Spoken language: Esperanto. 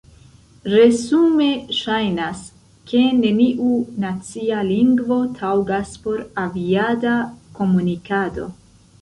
Resume, ŝajnas, ke neniu nacia lingvo taŭgas por aviada komunikado.